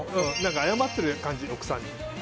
謝ってる感じ奥さんに。